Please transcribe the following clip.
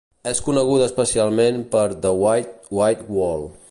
És coneguda especialment per "The Wide, Wide World".